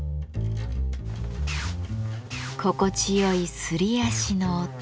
心地よいすり足の音。